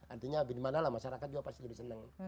artinya dimana lah masyarakat juga pasti lebih senang